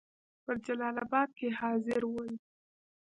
په جلال آباد کې حاضر ول.